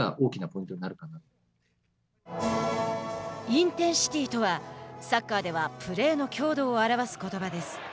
インテンシティとはサッカーではプレーの強度を表すことばです。